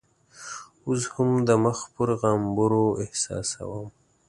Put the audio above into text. اوس هم د مخ پر غومبرو احساسوم.